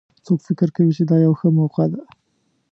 څوک فکر کوي چې دا یوه ښه موقع ده